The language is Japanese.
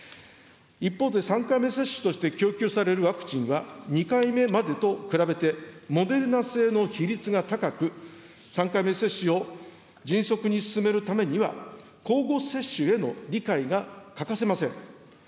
一方で３回目接種として供給されるワクチンは、２回目までと比べて、モデルナ製の比率が高く、３回目接種を迅速に進めるためには、交互接種への理解が欠かせません。